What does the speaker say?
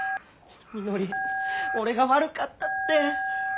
みのり俺が悪かったって。